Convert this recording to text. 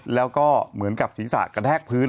แล้วก็เหมือนกับศีรษะกระแทกพื้น